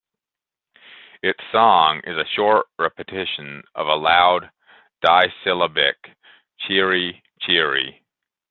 Its song is a short repetition of a loud disyllabic "chir-ree chir-ree".